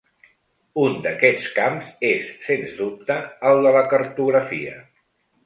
Un d’aquests camps és, sens dubte, el de la cartografia.